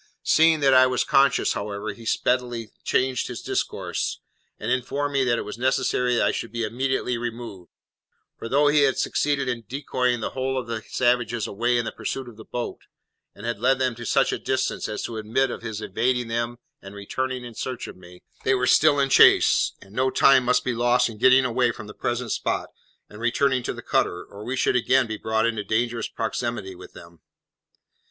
Seeing that I was conscious, however, he speedily changed his discourse, and informed me that it was necessary I should be immediately removed; for, though he had succeeded in decoying the whole of the savages away in pursuit of the boat, and had led them to such a distance as to admit of his evading them and returning in search of me, they were still in chase, and no time must be lost in getting away from the present spot, and returning to the cutter, or we should again be brought into dangerous proximity with them.